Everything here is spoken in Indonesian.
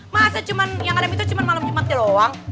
masa yang ada mitos cuma malam jumatnya doang